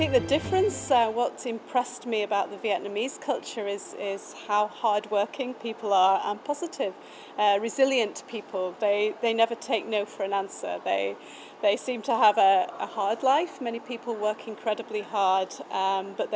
tôi nghĩ sự khác biệt của văn hóa của văn hóa việt nam là những người làm việc rất tốt và tốt